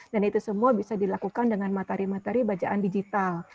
dan itu semua bisa dilakukan dengan matari matari bacaan digital